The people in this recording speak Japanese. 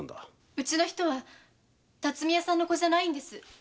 うちの人は巽屋さんの子じゃないんです。